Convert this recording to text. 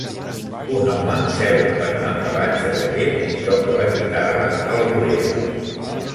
Un home seu en un embalatge de llet i toca la guitarra a la vorera.